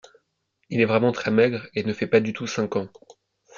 Il est vraiment très maigre et ne fait pas du tout cinq ans.